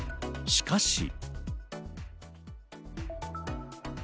しかし。